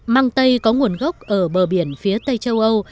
mang tây có nguồn gốc ở bờ biển phía tây châu âu